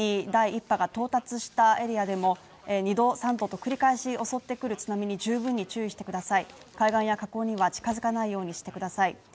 第一波が到達したエリアでも２度３度と繰り返し襲ってくる津波に十分に注意してください、海岸や河口には近づかないようにしてください。